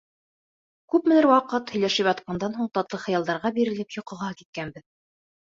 Күпмелер ваҡыт һөйләшеп ятҡандан һуң, татлы хыялдарға бирелеп, йоҡоға киткәнбеҙ.